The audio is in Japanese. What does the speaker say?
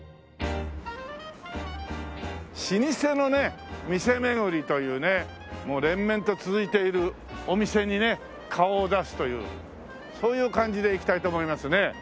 老舗のね店巡りというねもう連綿と続いているお店にね顔を出すというそういう感じでいきたいと思いますね。